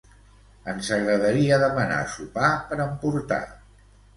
Ens agradaria demanar sopar per emportar.